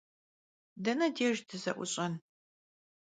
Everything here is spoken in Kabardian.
Dene dêjj dıze'uş'en?